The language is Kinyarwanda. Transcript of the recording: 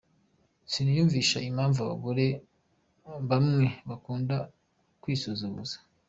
Siniyumvisha impamvu abagore bamwe bakunda kwisuzuguza.